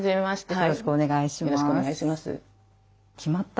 よろしくお願いします。